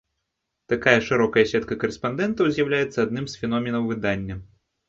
Такая шырокая сетка карэспандэнтаў з'яўляецца адным з феноменаў выдання.